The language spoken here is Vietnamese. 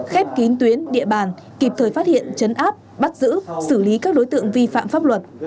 khép kín tuyến địa bàn kịp thời phát hiện chấn áp bắt giữ xử lý các đối tượng vi phạm pháp luật